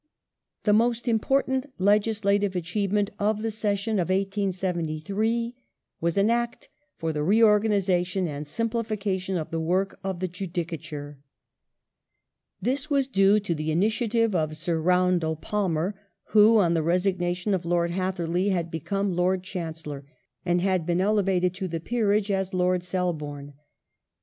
The most important legislative achievement of the session of The Judi 1873 was an Act for the reorganization and simplification of the work ^^^.^ ^3^^ of the Judicature. This was due to the initiative of Sir Roundell Palmer who, on the resignation of Lord Hatherley, had become Lord Chancellor and been elevated to the Peerage as Lord Selborne.